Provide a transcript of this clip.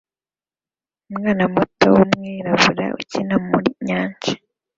Umwana muto wumwirabura ukina mu nyanja